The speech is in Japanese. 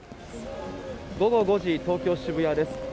午後５時東京・渋谷です。